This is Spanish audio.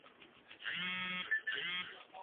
Para Siempre